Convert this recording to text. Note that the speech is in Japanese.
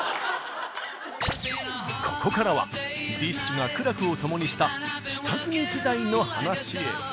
ここからはＤＩＳＨ／／が苦楽をともにした下積み時代の話へ。